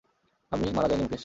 আমি মারা যাইনি মুকেশ।